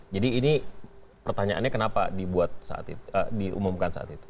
jadi ini pertanyaannya kenapa diumumkan saat itu